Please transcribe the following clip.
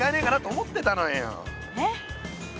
えっ？